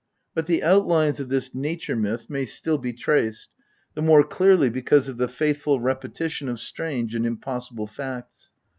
But the outlines of this nature myth may still be traced, the more clearly because of the faithful repetition of strange and impossible facts.